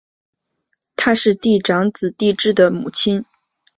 她是帝喾长子帝挚的母亲。